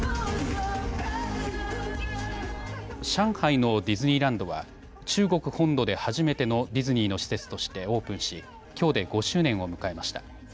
上海のディズニーランドは中国本土で初めてのディズニーの施設としてオープンし、きょうで５周年を迎えました。